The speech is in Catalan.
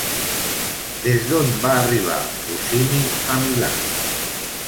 Des d'on va arribar Rossini a Milà?